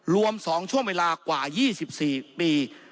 รวม๒ช่วงเวลากว่า๒๔ปี